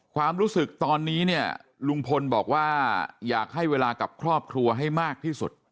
ความรู้สึกตอนนี้เนี่ยลุงพลบอกว่าอยากให้เวลากับครอบครัวให้มากที่สุด